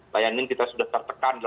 bayangin kita sudah tertekan